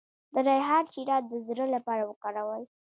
د ریحان شیره د زړه لپاره وکاروئ